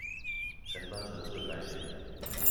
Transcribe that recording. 前端程式改寫